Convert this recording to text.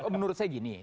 menurut saya gini